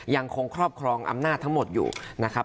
ยังคงครอบครองอำนาจทั้งหมดอยู่นะครับ